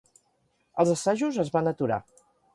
Els assajos es van aturar.